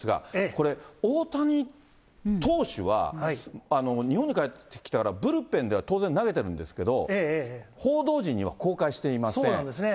これ、大谷投手は、日本に帰ってきてからブルペンでは当然投げてるんですけど、報道そうなんですね。